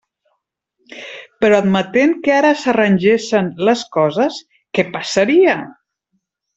Però admetent que ara s'arrangessen les coses, ¿què passaria?